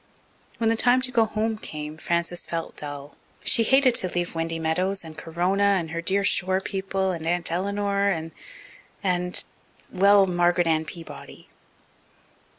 When the time to go home came Frances felt dull. She hated to leave Windy Meadows and Corona and her dear shore people and Aunt Eleanor and and well, Margaret Ann Peabody.